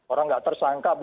orang tidak tersangka